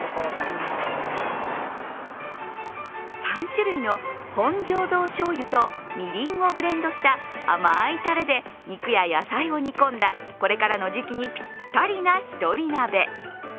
３種類の本醸造しょうゆとみりんをブレンドした甘いたれで、肉や野菜を煮込んだこれからの時期にぴったりな一人鍋。